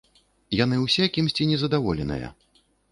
Яны ўсе кімсьці незадаволеныя.